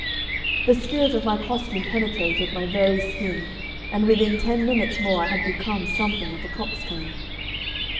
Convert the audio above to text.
The spirit of my costume penetrated my very skin and within ten minutes more I had become something of a coxcomb.